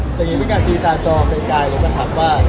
แต่ยังไม่กลับดีตาจองในกายแล้วก็ถามว่า